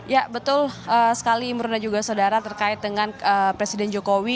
ya betul sekali imron dan juga saudara terkait dengan presiden jokowi